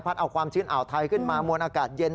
เอาความชื้นอ่าวไทยขึ้นมามวลอากาศเย็น